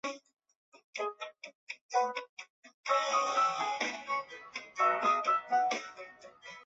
主要拍摄场景位于日本神奈川县横滨市。